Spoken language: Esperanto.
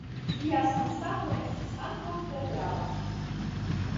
Lia sanstato estis ankaŭ tre grava.